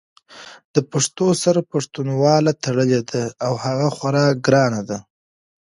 د پښتو سره پښتنواله تړلې ده او هغه خورا ګرانه ده!